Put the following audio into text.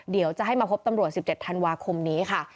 เดี๋ยวจะให้มาพบตำรวจ๑๗ธันวาคมนี้ค่ะ